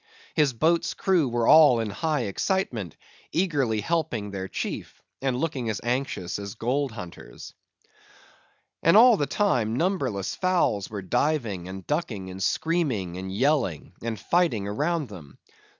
His boat's crew were all in high excitement, eagerly helping their chief, and looking as anxious as gold hunters. And all the time numberless fowls were diving, and ducking, and screaming, and yelling, and fighting around them.